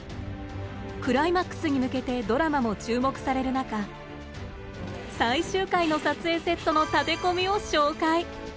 クライマックスに向けてドラマも注目される中最終回の撮影セットの建て込みを紹介！